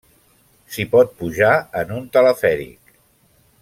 S'hi pot pujar en un telefèric.